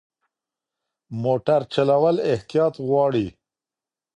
موټر چلول احتیاط غواړي.